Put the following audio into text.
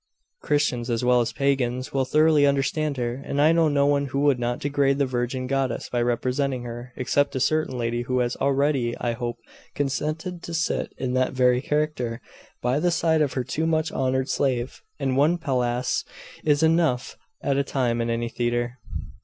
Christians as well as Pagans will thoroughly understand her; and I know no one who would not degrade the virgin goddess by representing her, except a certain lady, who has already, I hope, consented to sit in that very character, by the side of her too much honoured slave; and one Pallas is enough at a time in any theatre.